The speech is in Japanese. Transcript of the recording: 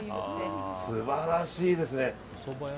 素晴らしいですね。